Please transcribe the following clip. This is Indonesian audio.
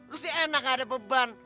lu sih enak gak ada beban